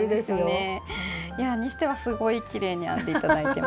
にしてはすごいきれいに編んで頂いてます。